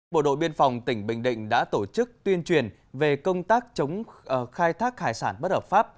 bộ đội biên phòng tỉnh bình định đã tổ chức tuyên truyền về công tác chống khai thác hải sản bất hợp pháp